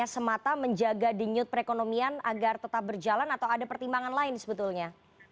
semata menjaga denyut perekonomian agar tetap berjalan atau ada pertimbangan lain sebetulnya